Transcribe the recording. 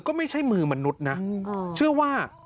ก็ไม่ใช่มือมนุษย์นะเชื่อว่า